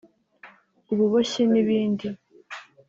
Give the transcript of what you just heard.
ububoshyi n’ibindi